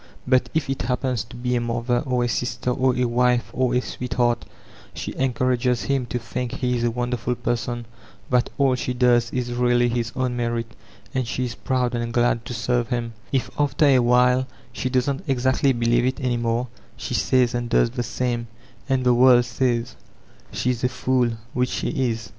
But if it happens to be a mother or a sister or a wife or a sweetheart, she en courages him to think he is a wonderful person, that all she does is really his own merit, and she is proud and ghid to serve hint If after a while she doesn't exactly believe it any more, she says and does the same; and the world says she is a fool,— which she is.